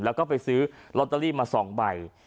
แล้วก็ไปซื้อลอตเตอรี่มา๒ใบ